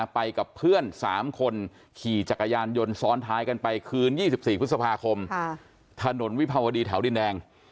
ไปกับเพื่อน๓คนขี่จักรยานยนต์ซ้อนท้ายกันไปคืน๒๔พฤษภาคมถนนวิภาวดีแถวดินแดง